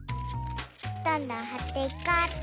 どんどんはっていこうっと。